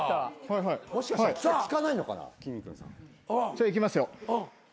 じゃあいきますよ。